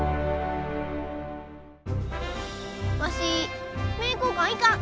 わし名教館行かん。